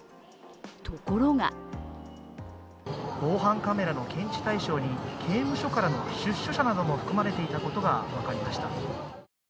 ところが防犯カメラの検知対象に刑務所からの出所者なども含まれていたことが分かりました。